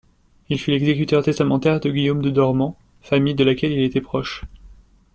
Il fut l'exécuteur testamentaire de Guillaume de Dormans, famille de laquelle il était proche.